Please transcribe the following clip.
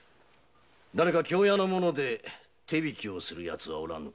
京屋の者で手引きをする奴はおらんか？